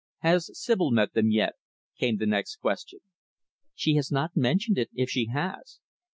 "Has Sibyl met them yet?" came the next question. "She has not mentioned it, if she has."